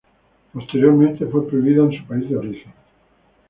Posteriormente, fue prohibida en su país de origen.